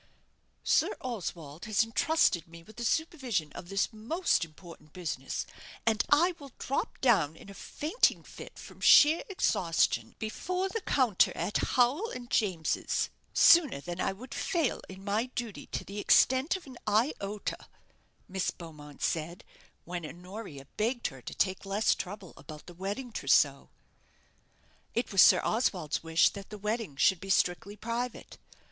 "Sir Oswald has intrusted me with the supervision of this most important business, and I will drop down in a fainting fit from sheer exhaustion before the counter at Howell and James's, sooner than I would fail in my duty to the extent of an iota," Miss Beaumont said, when Honoria begged her to take less trouble about the wedding trousseau. It was Sir Oswald's wish that the wedding should be strictly private.